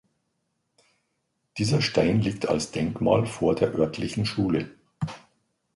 Dieser Stein liegt als Denkmal vor der örtlichen Schule.